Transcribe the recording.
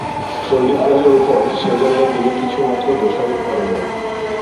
পণ্ডিতগণের উপর সেজন্য তিনি কিছুমাত্র দোষারোপ করেন নাই।